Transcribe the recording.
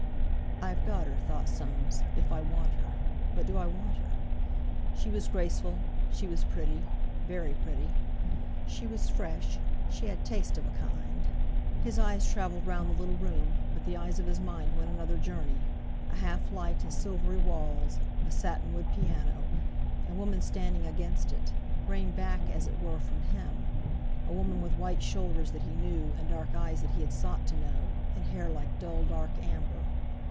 "I've got her," thought Soames, "if I want her. But do I want her?" She was graceful, she was pretty—very pretty; she was fresh, she had taste of a kind. His eyes travelled round the little room; but the eyes of his mind went another journey—a half light, and silvery walls, a satinwood piano, a woman standing against it, reined back as it were from him—a woman with white shoulders that he knew, and dark eyes that he had sought to know, and hair like dull dark amber.